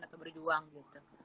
atau berjuang gitu